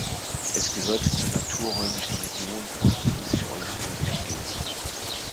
Es gehört zur Naturräumlichen Region „Ostfriesisch-Oldenburgische Geest“.